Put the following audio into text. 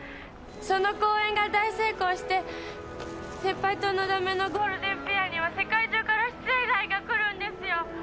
その公演が大成功して先輩と、のだめのゴールデンペアには世界中から出演依頼が来るんですよ。